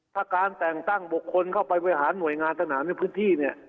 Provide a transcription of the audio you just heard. ถ้าการแต่งตั้งบกคนเข้าไปวิหารหน่วยงานต่างในพื้นที่